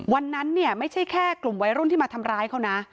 วันนั้นเนี่ยไม่ใช่แค่กลุ่มวัยรุ่นที่มาทำร้ายเขานะ